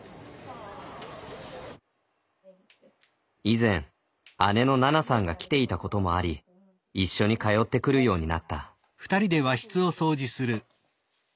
以前姉のななさんが来ていたこともあり一緒に通ってくるようになった。